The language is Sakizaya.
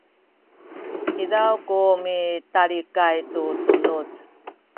izaw ku mitalikay tu tunuz